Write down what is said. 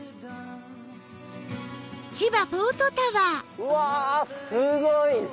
うわすごい！